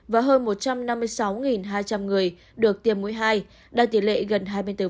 và hơn một trăm năm mươi sáu hai trăm linh người được tiêm mũi hai đạt tỷ lệ gần hai mươi bốn